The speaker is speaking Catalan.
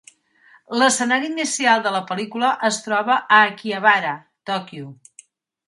L'escenari inicial de la pel·lícula es troba a Akihabara, Tòquio.